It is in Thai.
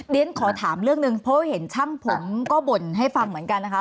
เรียนขอถามเรื่องหนึ่งเพราะเห็นช่างผมก็บ่นให้ฟังเหมือนกันนะคะ